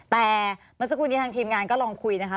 แต่เมื่อสักครู่นี้ทางทีมงานก็ลองคุยนะคะ